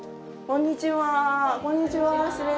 こんにちは。